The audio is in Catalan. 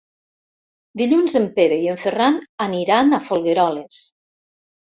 Dilluns en Pere i en Ferran aniran a Folgueroles.